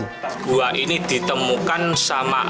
masjid perut bumi ini ditemukan sama asli